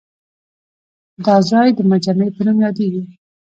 دا ځای د مجمع په نوم یادېږي.